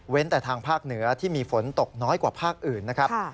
แต่ทางภาคเหนือที่มีฝนตกน้อยกว่าภาคอื่นนะครับ